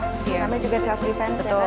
namanya juga self defense ya kan